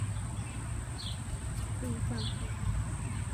利尚叙纳。